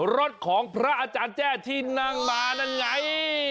รถของพระอาจารย์แจ้ที่นั่งมานั่นไง